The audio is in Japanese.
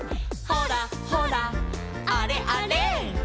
「ほらほらあれあれ」